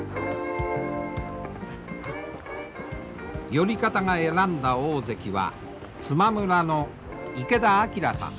寄方が選んだ大関は都万村の池田晃さん。